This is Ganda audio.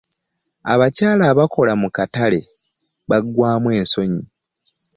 Abakyala abakola mu katale bagwamu ensonyi.